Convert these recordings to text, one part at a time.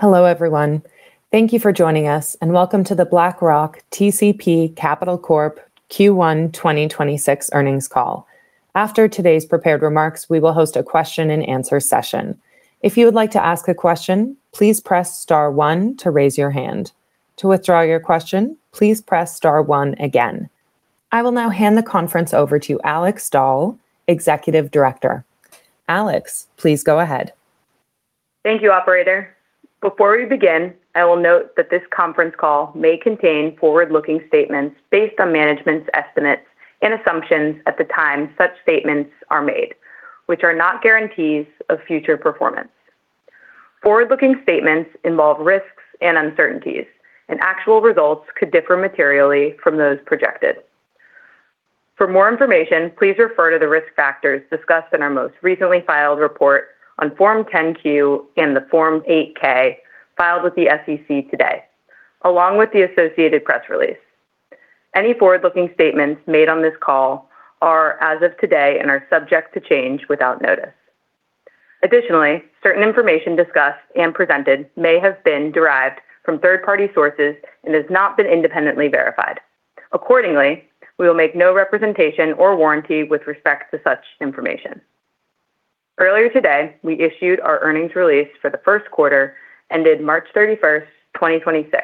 Hello, everyone. Thank you for joining us, and welcome to the BlackRock TCP Capital Corp. Q1 2026 earnings call. After today's prepared remarks, we will host a question and answer session. If you would like to ask a question, please press star one to raise your hand. To withdraw your question, please press star one again. I will now hand the conference over to Alex Doll, Executive Director. Alex, please go ahead. Thank you, operator. Before we begin, I will note that this conference call may contain forward-looking statements based on management's estimates and assumptions at the time such statements are made, which are not guarantees of future performance. Forward-looking statements involve risks and uncertainties, and actual results could differ materially from those projected. For more information, please refer to the risk factors discussed in our most recently filed report on Form 10-Q and the Form 8-K filed with the SEC today, along with the associated press release. Any forward-looking statements made on this call are as of today and are subject to change without notice. Additionally, certain information discussed and presented may have been derived from third-party sources and has not been independently verified. Accordingly, we will make no representation or warranty with respect to such information. Earlier today, we issued our earnings release for the first quarter ended March 31st, 2026,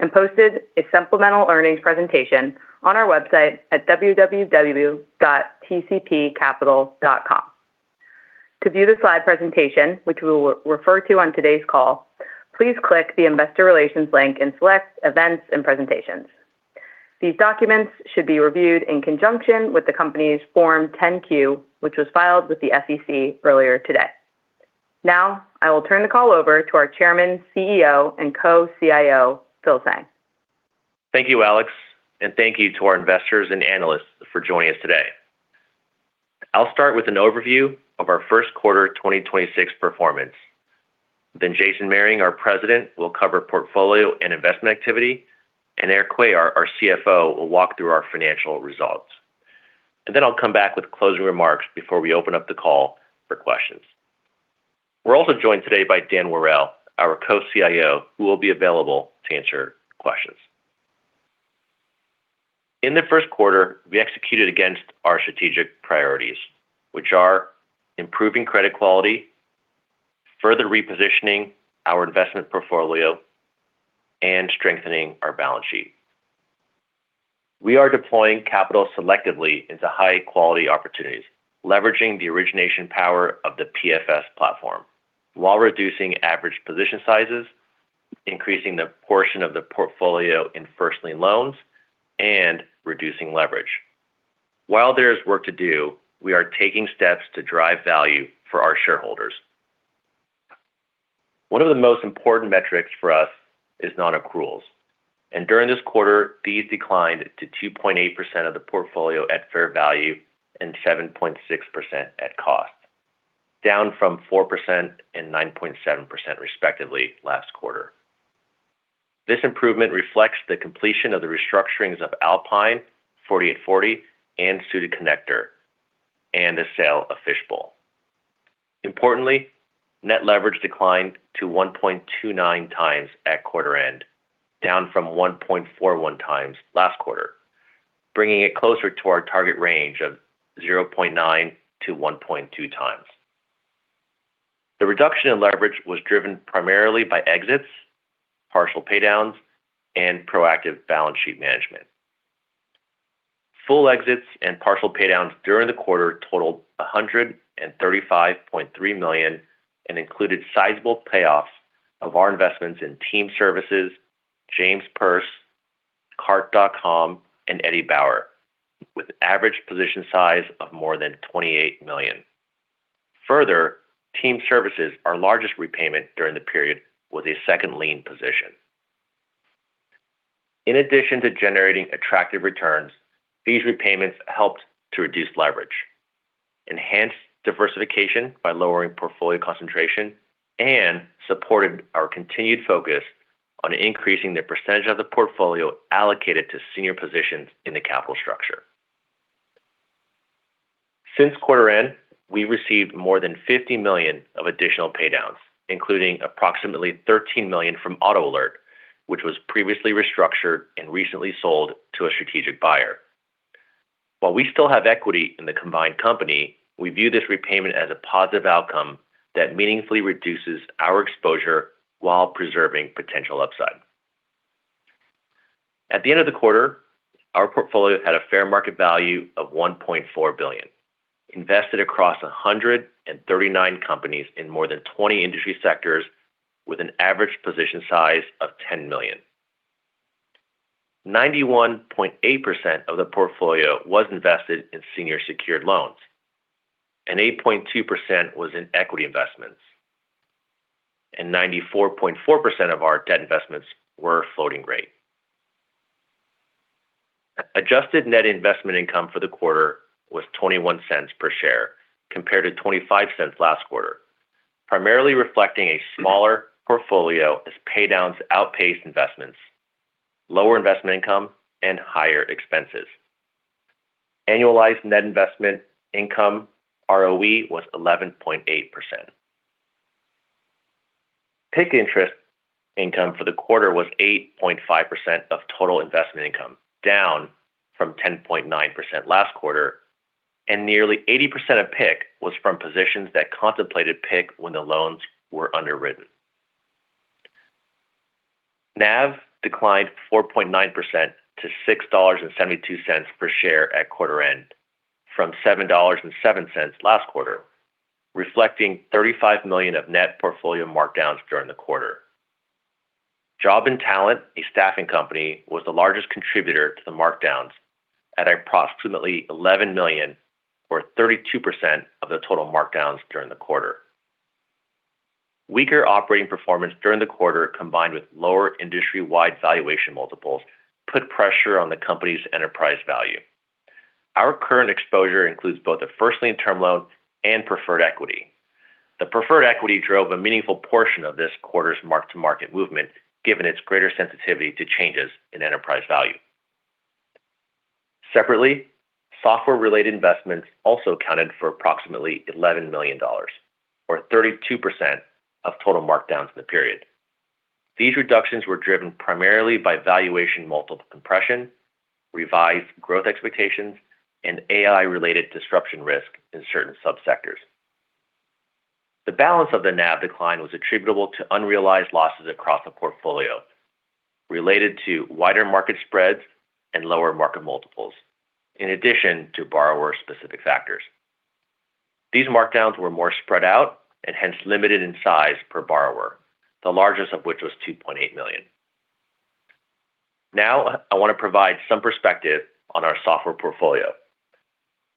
and posted a supplemental earnings presentation on our website at www.tcpcapital.com. To view the slide presentation, which we will refer to on today's call, please click the Investor Relations link and select Events and Presentations. These documents should be reviewed in conjunction with the company's Form 10-Q, which was filed with the SEC earlier today. Now, I will turn the call over to our Chairman, CEO, and Co-CIO, Philip Tseng. Thank you, Alex, and thank you to our investors and analysts for joining us today. I'll start with an overview of our first quarter 2026 performance. Jason Mehring, our President, will cover portfolio and investment activity, and Erik Cuellar, our CFO, will walk through our financial results. Then I'll come back with closing remarks before we open up the call for questions. We're also joined today by Dan Worrell, our Co-CIO, who will be available to answer questions. In the first quarter, we executed against our strategic priorities, which are improving credit quality, further repositioning our investment portfolio, and strengthening our balance sheet. We are deploying capital selectively into high-quality opportunities, leveraging the origination power of the PFS platform while reducing average position sizes, increasing the portion of the portfolio in first lien loans, and reducing leverage. While there is work to do, we are taking steps to drive value for our shareholders. One of the most important metrics for us is non-accruals, and during this quarter, these declined to 2.8% of the portfolio at fair value and 7.6% at cost, down from 4% and 9.7% respectively last quarter. This improvement reflects the completion of the restructurings of Alpine, 48forty, and Suited Connector, and the sale of Fishbowl. Importantly, net leverage declined to 1.29x at quarter end, down from 1.41x last quarter, bringing it closer to our target range of 0.9x to 1.2x. The reduction in leverage was driven primarily by exits, partial paydowns, and proactive balance sheet management. Full exits and partial paydowns during the quarter totaled $135.3 million and included sizable payoffs of our investments in Team Services, James Perse, Cart.com, and Eddie Bauer, with average position size of more than $28 million. Team Services, our largest repayment during the period, was a second lien position. In addition to generating attractive returns, these repayments helped to reduce leverage, enhanced diversification by lowering portfolio concentration, and supported our continued focus on increasing the percentage of the portfolio allocated to senior positions in the capital structure. Since quarter end, we received more than $50 million of additional paydowns, including approximately $13 million from AutoAlert, which was previously restructured and recently sold to a strategic buyer. While we still have equity in the combined company, we view this repayment as a positive outcome that meaningfully reduces our exposure while preserving potential upside. At the end of the quarter, our portfolio had a fair market value of $1.4 billion, invested across 139 companies in more than 20 industry sectors with an average position size of $10 million. 91.8% of the portfolio was invested in senior secured loans, and 8.2% was in equity investments, and 94.4% of our debt investments were floating rate. Adjusted net investment income for the quarter was $0.21 per share compared to $0.25 last quarter, primarily reflecting a smaller portfolio as paydowns outpaced investments, lower investment income, and higher expenses. Annualized net investment income ROE was 11.8%. PIK interest income for the quarter was 8.5% of total investment income, down from 10.9% last quarter, and nearly 80% of PIK was from positions that contemplated PIK when the loans were underwritten. NAV declined 4.9% to $6.72 per share at quarter end from $7.07 last quarter, reflecting $35 million of net portfolio markdowns during the quarter. Job&Talent, a staffing company, was the largest contributor to the markdowns at approximately $11 million or 32% of the total markdowns during the quarter. Weaker operating performance during the quarter, combined with lower industry-wide valuation multiples, put pressure on the company's enterprise value. Our current exposure includes both a first lien term loan and preferred equity. The preferred equity drove a meaningful portion of this quarter's mark-to-market movement, given its greater sensitivity to changes in enterprise value. Separately, software-related investments also accounted for approximately $11 million or 32% of total markdowns in the period. These reductions were driven primarily by valuation multiple compression, revised growth expectations, and AI-related disruption risk in certain sub-sectors. The balance of the NAV decline was attributable to unrealized losses across the portfolio related to wider market spreads and lower market multiples in addition to borrower-specific factors. These markdowns were more spread out and hence limited in size per borrower, the largest of which was $2.8 million. I want to provide some perspective on our software portfolio.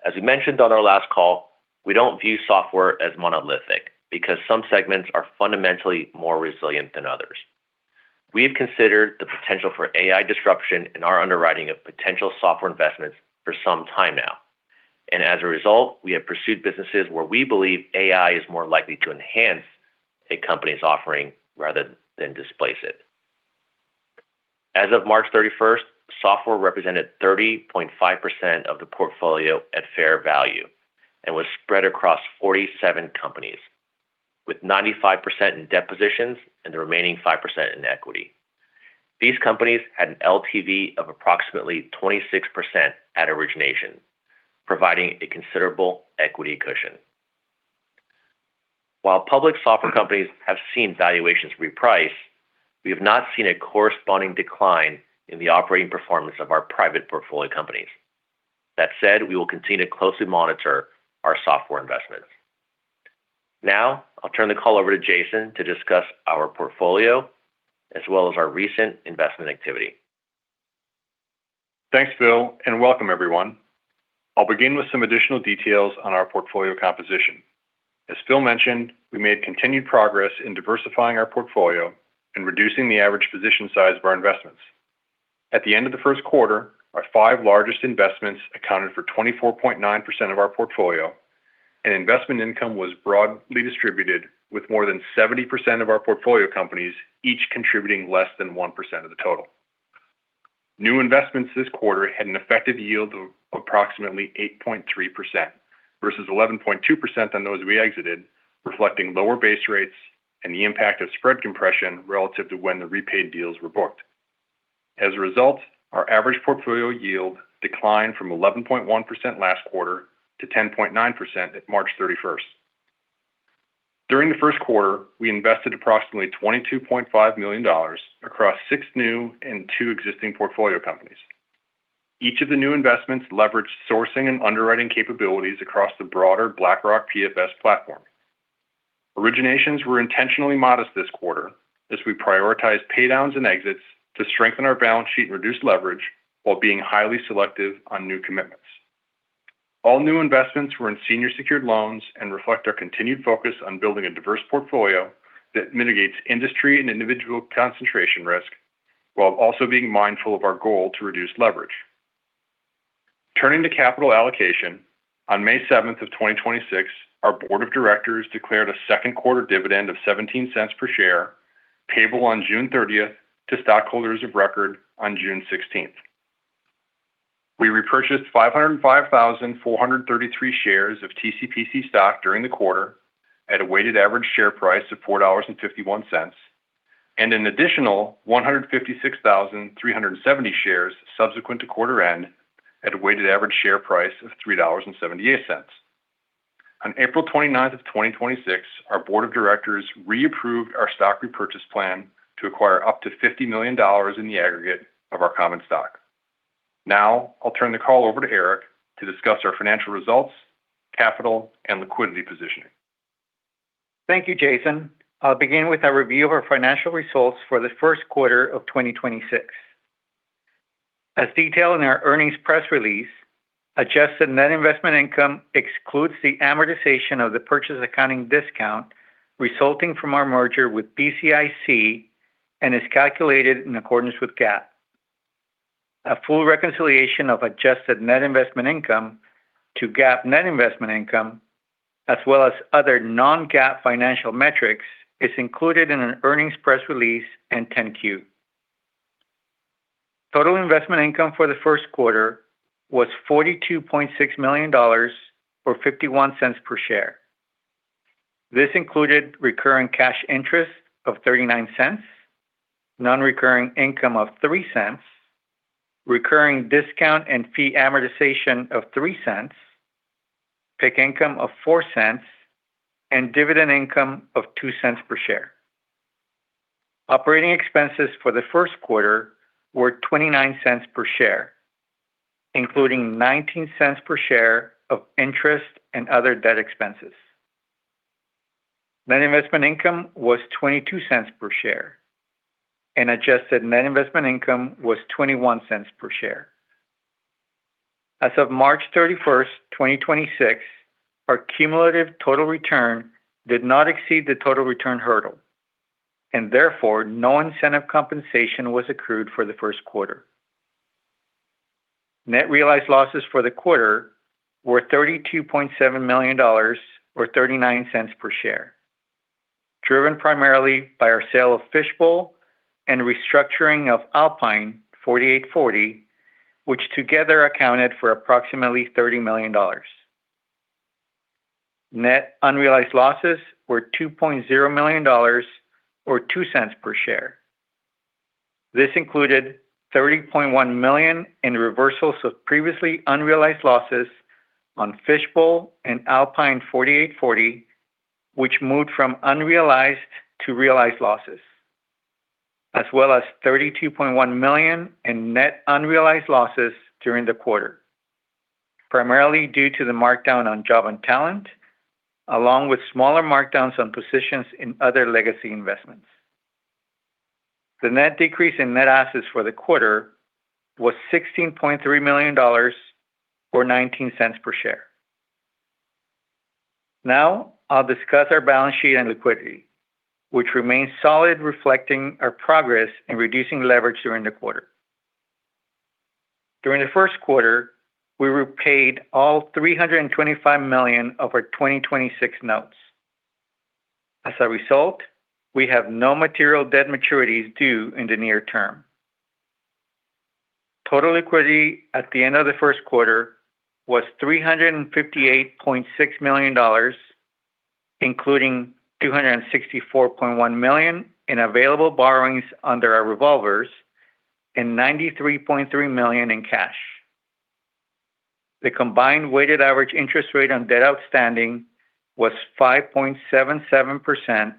As we mentioned on our last call, we don't view software as monolithic because some segments are fundamentally more resilient than others. We have considered the potential for AI disruption in our underwriting of potential software investments for some time now. As a result, we have pursued businesses where we believe AI is more likely to enhance a company's offering rather than displace it. As of March 31st, software represented 30.5% of the portfolio at fair value and was spread across 47 companies, with 95% in debt positions and the remaining 5% in equity. These companies had an LTV of approximately 26% at origination, providing a considerable equity cushion. While public software companies have seen valuations reprice, we have not seen a corresponding decline in the operating performance of our private portfolio companies. That said, we will continue to closely monitor our software investments. Now, I'll turn the call over to Jason to discuss our portfolio as well as our recent investment activity. Thanks, Phil, and welcome everyone. I'll begin with some additional details on our portfolio composition. As Phil mentioned, we made continued progress in diversifying our portfolio and reducing the average position size of our investments. At the end of the first quarter, our five largest investments accounted for 24.9% of our portfolio and investment income was broadly distributed, with more than 70% of our portfolio companies each contributing less than 1% of the total. New investments this quarter had an effective yield of approximately 8.3% versus 11.2% on those we exited, reflecting lower base rates and the impact of spread compression relative to when the repaid deals were booked. As a result, our average portfolio yield declined from 11.1% last quarter to 10.9% at March 31st. During the first quarter, we invested approximately $22.5 million across six new and two existing portfolio companies. Each of the new investments leveraged sourcing and underwriting capabilities across the broader BlackRock PFS platform. Originations were intentionally modest this quarter as we prioritized pay downs and exits to strengthen our balance sheet and reduce leverage while being highly selective on new commitments. All new investments were in senior secured loans and reflect our continued focus on building a diverse portfolio that mitigates industry and individual concentration risk, while also being mindful of our goal to reduce leverage. Turning to capital allocation, on May 7th, 2026, our board of directors declared a second quarter dividend of $0.17 per share, payable on June 30th to stockholders of record on June 16th. We repurchased 505,433 shares of TCPC stock during the quarter at a weighted average share price of $4.51, and an additional 156,370 shares subsequent to quarter end at a weighted average share price of $3.78. On April 29, 2026, our board of directors reapproved our stock repurchase plan to acquire up to $50 million in the aggregate of our common stock. Now, I'll turn the call over to Erik to discuss our financial results, capital, and liquidity positioning. Thank you, Jason. I'll begin with a review of our financial results for the first quarter of 2026. As detailed in our earnings press release, adjusted net investment income excludes the amortization of the purchase accounting discount resulting from our merger with BCIC and is calculated in accordance with GAAP. A full reconciliation of adjusted net investment income to GAAP net investment income, as well as other non-GAAP financial metrics, is included in an earnings press release and 10-Q. Total investment income for the first quarter was $42.6 million or $0.51 per share. This included recurring cash interest of $0.39, non-recurring income of $0.03, recurring discount and fee amortization of $0.03, PIK income of $0.04, and dividend income of $0.02 per share. Operating expenses for the first quarter were $0.29 per share, including $0.19 per share of interest and other debt expenses. Net investment income was $0.22 per share, and adjusted net investment income was $0.21 per share. As of March 31, 2026, our cumulative total return did not exceed the total return hurdle, and therefore no incentive compensation was accrued for the first quarter. Net realized losses for the quarter were $32.7 million or $0.39 per share, driven primarily by our sale of Fishbowl and restructuring of Alpine, 48forty, which together accounted for approximately $30 million. Net unrealized losses were $2.0 million or $0.02 per share. This included $30.1 million in reversals of previously unrealized losses on Fishbowl and Alpine, 48forty, which moved from unrealized to realized losses. As well as $32.1 million in net unrealized losses during the quarter, primarily due to the markdown on Job&Talent, along with smaller markdowns on positions in other legacy investments. The net decrease in net assets for the quarter was $16.3 million or $0.19 per share. Now I'll discuss our balance sheet and liquidity, which remains solid, reflecting our progress in reducing leverage during the quarter. During the first quarter, we repaid all $325 million of our 2026 notes. As a result, we have no material debt maturities due in the near term. Total liquidity at the end of the first quarter was $358.6 million, including $264.1 million in available borrowings under our revolvers and $93.3 million in cash. The combined weighted average interest rate on debt outstanding was 5.77%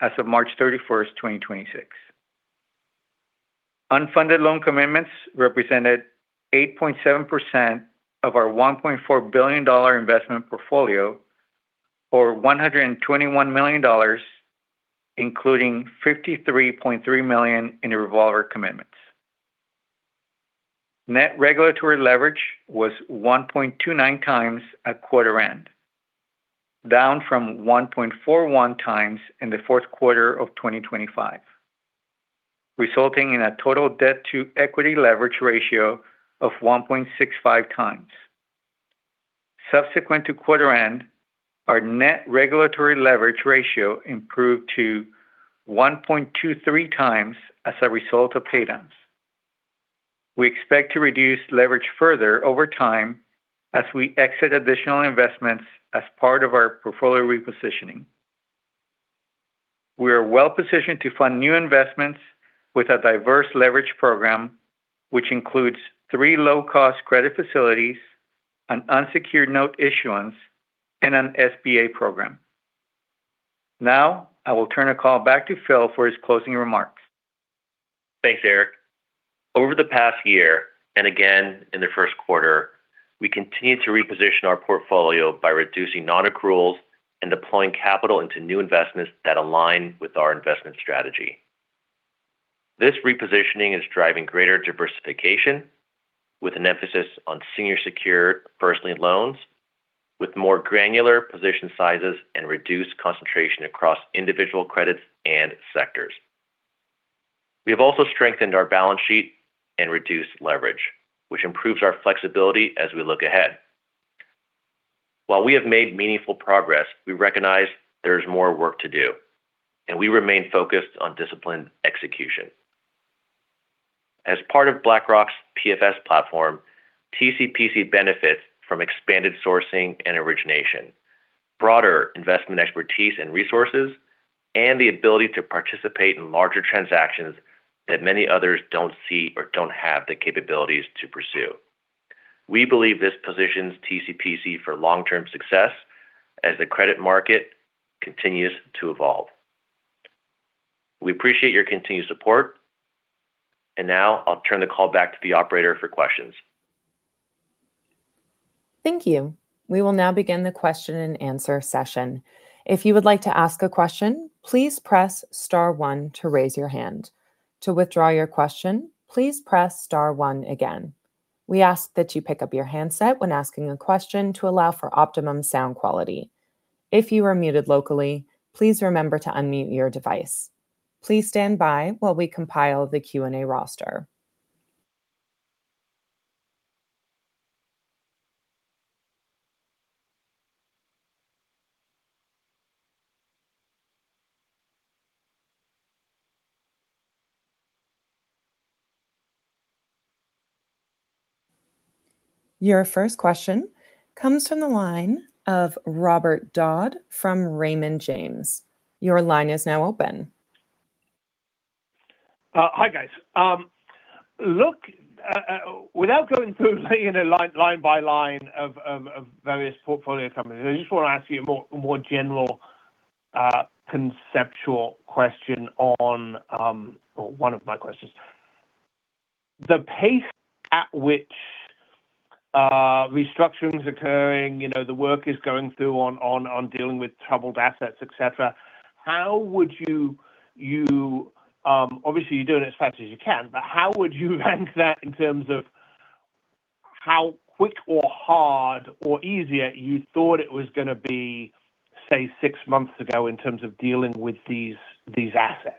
as of March 31, 2026. Unfunded loan commitments represented 8.7% of our $1.4 billion investment portfolio, or $121 million, including $53.3 million in revolver commitments. Net regulatory leverage was 1.29x at quarter end, down from 1.41x in the fourth quarter of 2025, resulting in a total debt to equity leverage ratio of 1.65x. Subsequent to quarter end, our net regulatory leverage ratio improved to 1.23x as a result of paydowns. We expect to reduce leverage further over time as we exit additional investments as part of our portfolio repositioning. We are well-positioned to fund new investments with a diverse leverage program, which includes three low-cost credit facilities, an unsecured note issuance, and an SBA program. I will turn the call back to Phil for his closing remarks. Thanks, Erik. Over the past year, and again in the first quarter, we continued to reposition our portfolio by reducing non-accruals and deploying capital into new investments that align with our investment strategy. This repositioning is driving greater diversification with an emphasis on senior secured first lien loans with more granular position sizes and reduced concentration across individual credits and sectors. We have also strengthened our balance sheet and reduced leverage, which improves our flexibility as we look ahead. While we have made meaningful progress, we recognize there is more work to do, and we remain focused on disciplined execution. As part of BlackRock's PFS platform, TCPC benefits from expanded sourcing and origination, broader investment expertise and resources, and the ability to participate in larger transactions that many others don't see or don't have the capabilities to pursue. We believe this positions TCPC for long-term success as the credit market continues to evolve. We appreciate your continued support. Now I'll turn the call back to the operator for questions. Thank you. We will now begin the question and answer session. If you would like to ask a question, please press star one to raise your hand. To withdraw your question, please press star one again. We ask that you pick up your handset when asking a question to allow for optimum sound quality. If you are muted locally, please remember to unmute your device. Please stand by while we compile the Q&A roster. Your first question comes from the line of Robert Dodd from Raymond James. Your line is now open. Hi guys. Look, without going through, you know, line by line of various portfolio companies, I just wanna ask you a more general conceptual question on or one of my questions. The pace at which restructuring's occurring, you know, the work is going through on dealing with troubled assets, et cetera, how would you Obviously you're doing it as fast as you can, but how would you rank that in terms of how quick or hard or easy you thought it was gonna be, say, 6 months ago in terms of dealing with these assets?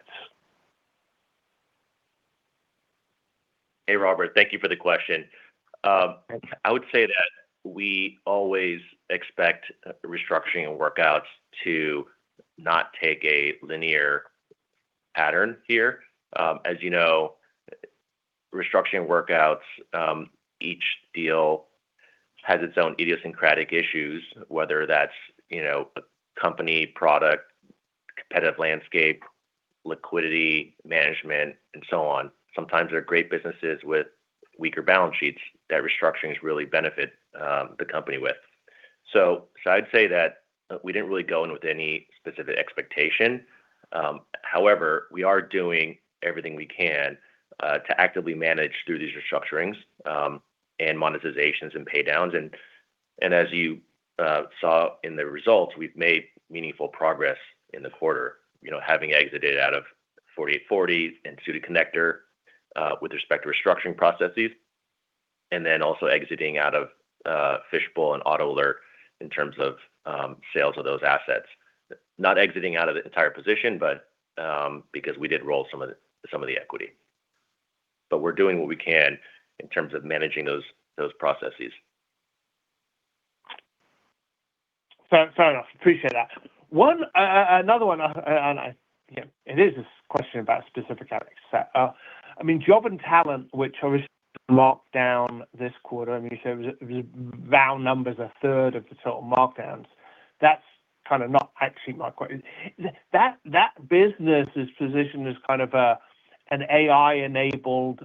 Hey, Robert. Thank you for the question. I would say that we always expect restructuring and workouts to not take a linear pattern here. As you know, restructuring workouts, each deal has its own idiosyncratic issues, whether that's, you know, a company product, competitive landscape, liquidity management and so on. Sometimes they're great businesses with weaker balance sheets that restructurings really benefit the company with. I'd say that we didn't really go in with any specific expectation. However, we are doing everything we can to actively manage through these restructurings, and monetizations and pay downs. As you saw in the results, we've made meaningful progress in the quarter. You know, having exited out of 48forty and Suited Connector with respect to restructuring processes, and then also exiting out of Fishbowl and AutoAlert in terms of sales of those assets. Not exiting out of the entire position, but because we did roll some of the equity. We're doing what we can in terms of managing those processes. Fair, fair enough. Appreciate that. One, another one, I You know, it is a question about specific assets. I mean, Job&Talent, which obviously marked down this quarter, I mean, you said it was round numbers a third of the total markdowns. That's kind of not actually my question. That business is positioned as kind of a, an AI-enabled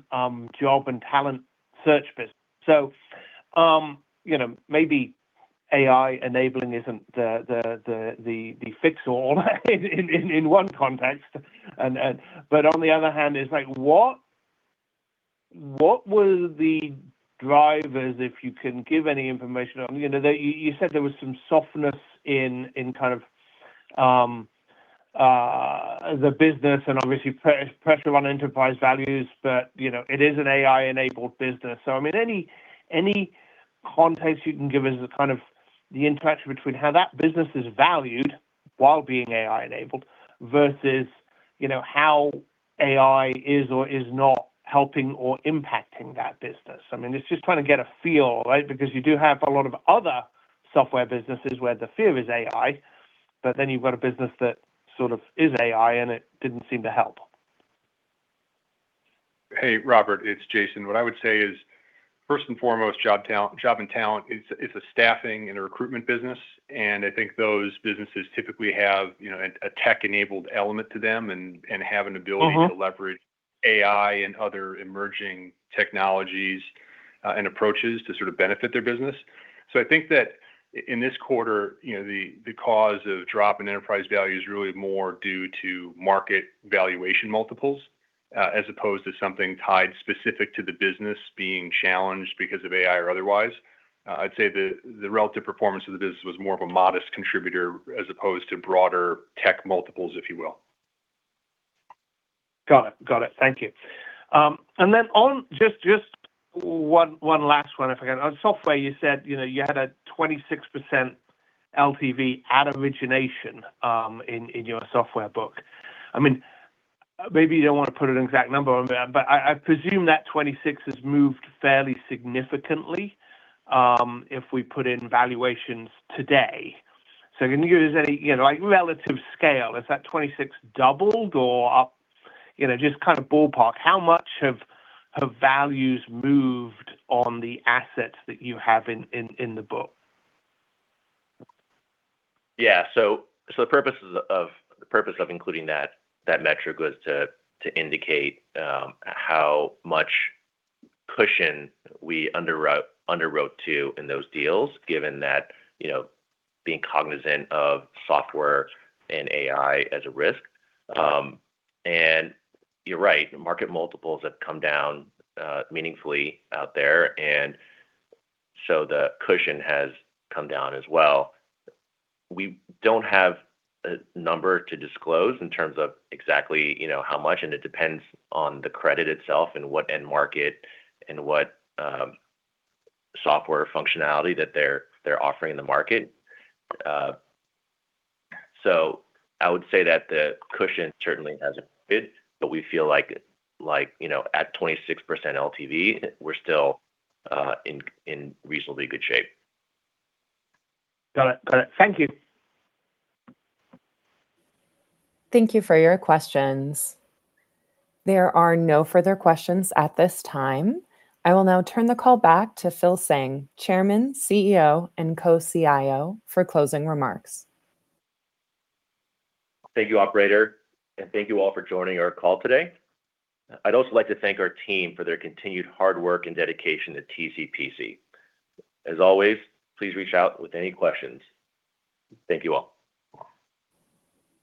job and talent search business. You know, maybe AI enabling isn't the fix-all in one context. On the other hand, it's like, what were the drivers, if you can give any information on You know, the, you said there was some softness in kind of the business and obviously pressure on enterprise values, but, you know, it is an AI-enabled business. I mean, any context you can give us the kind of the interaction between how that business is valued while being AI-enabled versus, you know, how AI is or is not helping or impacting that business. I mean, it's just trying to get a feel, right? You do have a lot of other software businesses where the fear is AI, but then you've got a business that sort of is AI, and it didn't seem to help. Hey, Robert. It's Jason. What I would say is, first and foremost, Job&Talent it's a staffing and a recruitment business, and I think those businesses typically have, you know, a tech-enabled element to them and have an ability to leverage AI and other emerging technologies, and approaches to sort of benefit their business. I think that in this quarter, you know, the cause of drop in enterprise value is really more due to market valuation multiples, as opposed to something tied specific to the business being challenged because of AI or otherwise. I'd say the relative performance of the business was more of a modest contributor as opposed to broader tech multiples, if you will. Got it. Thank you. On Just one last one, if I can. On software, you said, you know, you had a 26% LTV at origination, in your software book. I mean, maybe you don't wanna put an exact number on that, but I presume that 26 has moved fairly significantly, if we put in valuations today. Can you give us any, you know, like relative scale, is that 26 doubled or up? You know, just kind of ballpark, how much have values moved on the assets that you have in the book? Yeah. So the purpose of including that metric was to indicate how much cushion we underwrote to in those deals, given that, you know, being cognizant of software and AI as a risk. You're right, market multiples have come down meaningfully out there, and so the cushion has come down as well. We don't have a number to disclose in terms of exactly, you know, how much, and it depends on the credit itself and what end market and what software functionality that they're offering in the market. I would say that the cushion certainly hasn't moved, but we feel like, you know, at 26% LTV, we're still in reasonably good shape. Got it. Got it. Thank you. Thank you for your questions. There are no further questions at this time. I will now turn the call back to Philip Tseng, Chairman, CEO, and Co-CIO, for closing remarks. Thank you, operator, and thank you all for joining our call today. I'd also like to thank our team for their continued hard work and dedication to TCPC. As always, please reach out with any questions. Thank you all.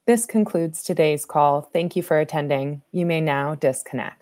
This concludes today's call. Thank you for attending. You may now disconnect.